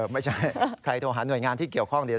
ไม่ใช่ใครโทรหาหน่วยงานที่เกี่ยวข้องเดี๋ยว